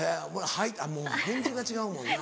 もう返事が違うもんな。